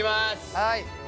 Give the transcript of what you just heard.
はい。